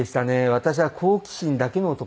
私は好奇心だけの男でした。